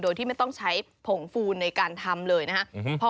โดยที่ไม่ต้องใช้ผงฟูนในการทำเลยนะครับ